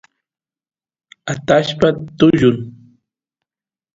atashpa tullun